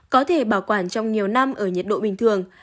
có thể bảo quản trong nhiều năm ở nhiệt độ bình thường